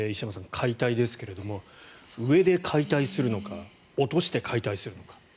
解体ですけれども上で解体するのか落として解体するのか。